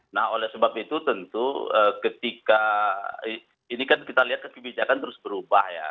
nah oleh sebab itu tentu ketika ini kan kita lihat kebijakan terus berubah ya